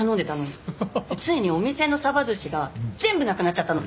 でついにお店のサバ寿司が全部なくなっちゃったの。